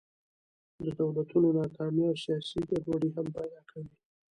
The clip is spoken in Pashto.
د دولتونو ناکامي او سیاسي ګډوډۍ هم پیدا کوي.